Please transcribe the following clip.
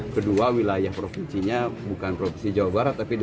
kedua wilayah provinsinya bukan provinsi jawa barat